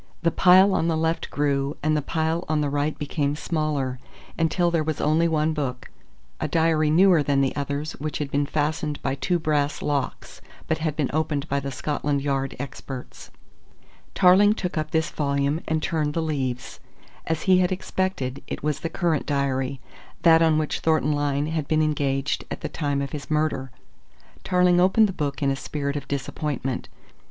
The pile on the left grew, and the pile on the right became smaller, until there was only one book a diary newer than the others which had been fastened by two brass locks, but had been opened by the Scotland Yard experts. Tarling took up this volume and turned the leaves. As he had expected, it was the current diary that on which Thornton Lyne had been engaged at the time of his murder. Tarling opened the book in a spirit of disappointment.